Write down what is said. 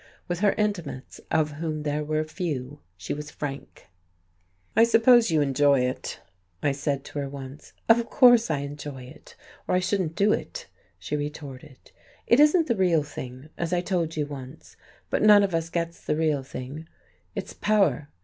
With her intimates of whom there were few she was frank. "I suppose you enjoy it," I said to her once. "Of course I enjoy it, or I shouldn't do it," she retorted. "It isn't the real thing, as I told you once. But none of us gets the real thing. It's power....